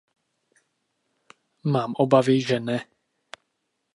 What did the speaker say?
Mám obavy, že ne.